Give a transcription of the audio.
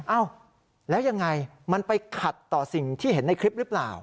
เอ้าแล้วยังไงมันไปขัดต่อสิ่งที่เห็นในคลิปหรือเปล่า